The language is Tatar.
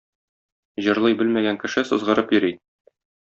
Җырлый белмәгән кеше сызгырып йөри.